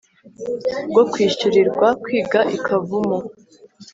bwo kwishyurirwa kwiga i kavumu